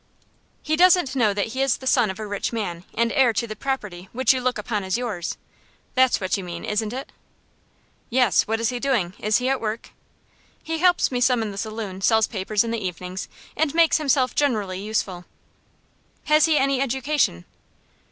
"He doesn't know that he is the son of a rich man, and heir to the property which you look upon as yours. That's what you mean, isn't it?" "Yes. What is he doing? Is he at work?" "He helps me some in the saloon, sells papers in the evenings, and makes himself generally useful." "Has he any education?"